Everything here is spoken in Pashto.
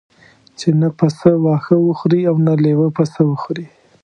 چې نه پسه واښه وخوري او نه لېوه پسه وخوري.